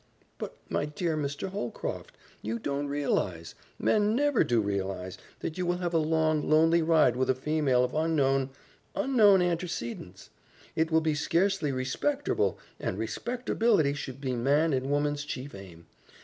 "But my dear Mr. Holcroft, you don't realize men never do realize that you will have a long, lonely ride with a female of unknown unknown antercedents. It will be scarcely respecterble, and respecterbility should be man and woman's chief aim.